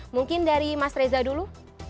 mungkin dari mas reza dulu